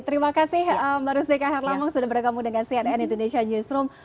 terima kasih mbak ruzika herlamong sudah berdekat dengan cnn indonesia newsroom